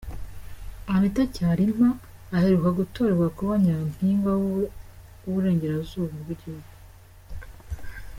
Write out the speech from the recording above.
Anita Kyarimpa aheruka gutorerwa kuba nyampinga w’u Burengerazuba bw’igihugu.